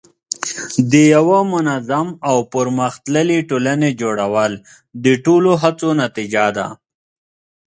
د یوه منظم او پرمختللي ټولنې جوړول د ټولو هڅو نتیجه ده.